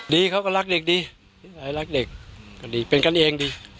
ดีเขาก็รักเด็กดีนิสัยรักเด็กก็ดีเป็นกันเองดี